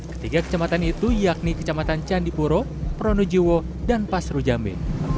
ketiga kecamatan itu yakni kecamatan candipuro pronojiwo dan pasrujambe